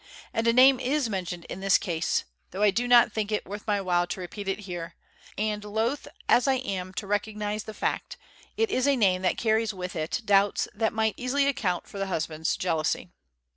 And a name is mentioned in this case, though I do not think it worth my while to repeat it here; and loth as I am to recognize the fact, it is a name that carries with it doubts that might easily account for the husband's jealousy.